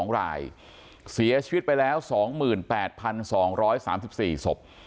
๒รายเสียชีวิตไปแล้ว๒๘๒๓๔ศพ